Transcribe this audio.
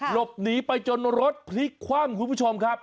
หลบหนีไปจนรถพลิกคว่ำคุณผู้ชมครับ